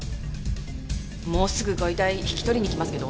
もうすぐご遺体引き取りにきますけど。